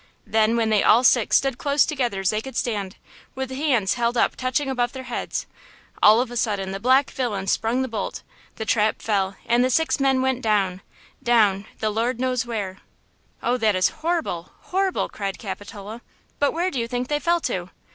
Then when they all six stood close together as they could stand, with hands held up touching above their heads, all of a sudden the black villain sprung the bolt, the trap fell and the six men went down–down, the Lord knows where!" "Oh! that is horrible! horrible!" cried Capitola; "but where do you think they fell to?"